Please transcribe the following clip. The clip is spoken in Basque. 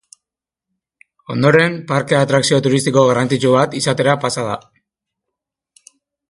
Ondoren, parkea atrakzio turistiko garrantzitsu bat izatera pasa da.